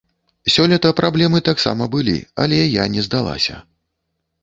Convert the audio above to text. Сёлета праблемы таксама былі, але я не здалася.